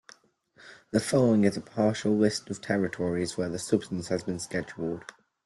The following is a partial list of territories where the substance has been scheduled.